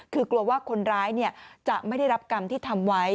คือกลัวว่าคนร้ายจะไม่ได้รับกรรมที่ทำไว้